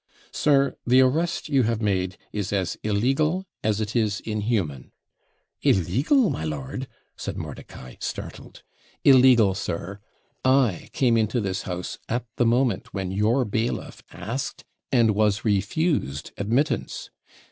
'Sir, the arrest you have made is as illegal as it is inhuman.' 'Illegal, my lord!' said Mordicai, startled. 'Illegal, sir. I came into this house at the moment when your bailiff asked and was refused admittance.